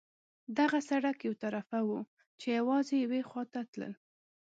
دغه سړک یو طرفه وو، چې یوازې یوې خوا ته تلل.